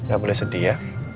gak boleh sedih ya